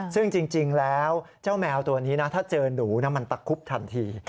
ซึ่งจริงแล้วเจ้าแมวตัวนี้นะถ้าเจอหนูมันตะคุบทันที